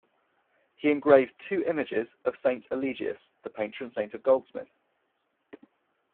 He engraved two images of Saint Eligius, the patron-saint of goldsmiths.